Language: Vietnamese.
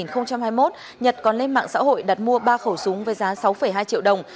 nhật còn lên mạng xã hội đặt mua ba khẩu súng với giá sáu hai triệu đồng